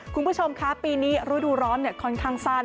คุณผู้ชมคะปีนี้ฤดูร้อนค่อนข้างสั้น